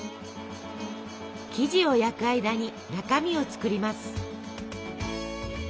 生地を焼く間に中身を作ります。